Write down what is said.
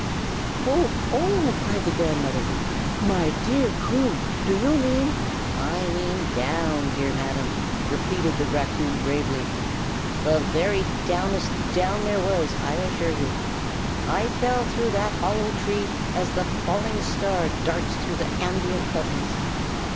"Oh, oh!" cried the grandmother. "My dear Coon! do you mean " "I mean down, dear Madam!" repeated the raccoon, gravely, "the very downest down there was, I assure you. I fell through that hollow tree as the falling star darts through the ambient heavens.